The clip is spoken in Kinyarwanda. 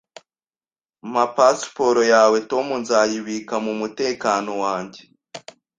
Mpa pasiporo yawe, Tom. Nzayibika mu mutekano wanjye